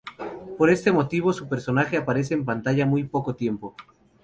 Por este motivo su personaje aparece en pantalla muy poco tiempo.